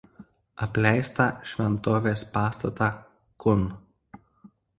Apleistą šventovės pastatą kun.